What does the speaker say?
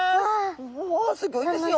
おすギョいですよ。